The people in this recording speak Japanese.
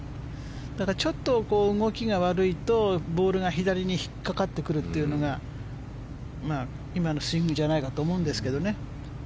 ただ、ちょっと動きが悪いとボールが左に引っかかってくるというのが今のスイングじゃないかと思うんですけどね。